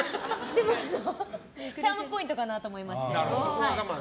チャームポイントかなと思いまして。